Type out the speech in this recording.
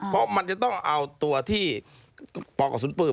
เพราะมันจะต้องเอาตัวที่ปอกกระสุนปืน